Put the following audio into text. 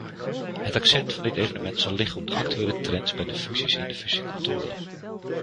Het accent van dit evenement zal liggen op actuele trends bij fusies en fusiecontrole.